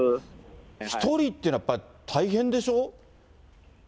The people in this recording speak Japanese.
１人っていうのはやっぱり大変でしょ？